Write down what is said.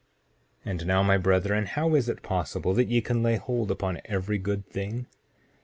7:20 And now, my brethren, how is it possible that ye can lay hold upon every good thing?